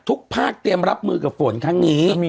ทุกภาคเตรียมรับมือกับฝนครั้งนี้